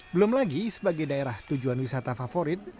belum lagi sebagai daerah tujuan wisata favorit